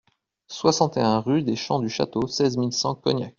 soixante et un rue des Champs du Château, seize mille cent Cognac